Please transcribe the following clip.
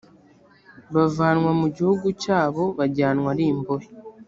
bavanwa mu gihugu cyabo bajyanwa ari imbohe